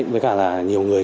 với cả là nhiều người